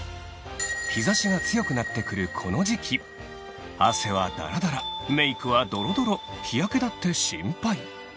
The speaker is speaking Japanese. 日差しが強くなってくるこの時期汗はダラダラメイクはドロドロ日焼けだって心配